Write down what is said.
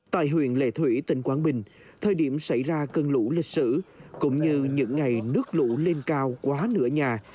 tại huyện lệ thủy tỉnh quảng bình thời điểm xảy ra cơn lũ lịch sử cũng như những ngày nước lũ lên cao quá nửa nhà